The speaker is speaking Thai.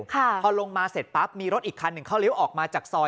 พอลงมาเสร็จปั๊บมีรถอีกคันหนึ่งเขาเลี้ยวออกมาจากซอย